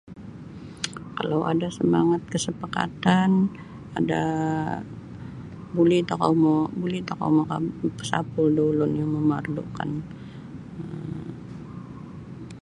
Kalau ada samangat kasapakatan ada buli tokou mau buli tokou mau mapasapul da ulun yang mamarlukan um.